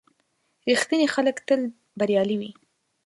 • رښتیني خلک تل بریالي وي.